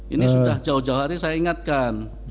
ini sudah jauh jauh hari saya ingatkan